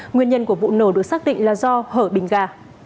nguyên nhân của vụ nổ được xác định là do hở bình gà